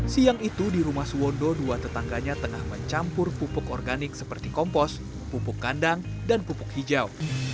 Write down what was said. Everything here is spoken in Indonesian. siang itu di rumah suwondo dua tetangganya tengah mencampur pupuk organik seperti kompos pupuk kandang dan pupuk hijau